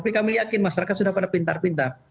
tapi kami yakin masyarakat sudah pada pintar pintar